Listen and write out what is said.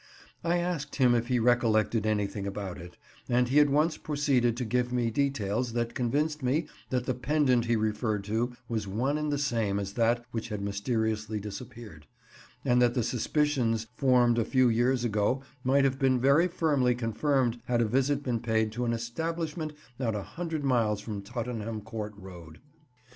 I asked him if he recollected anything about it, and he at once proceeded to give me details that convinced me that the pendant he referred to was one and the same as that which had mysteriously disappeared, and that the suspicions formed a few years ago might have been very fully confirmed had a visit been paid to an establishment not a hundred miles from Tottenham Court Road.